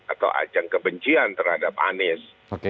atau ajang kebencian terhadap anies